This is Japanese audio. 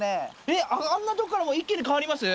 えっあんなとこから一気に変わります？